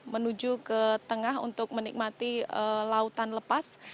menuju ke tengah untuk menikmati lautan lepas